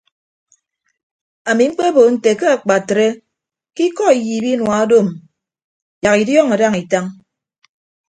Ami mkpebo nte akpatre ke ikọ iyiip inua odoom yak idiọọñọ daña itaña o.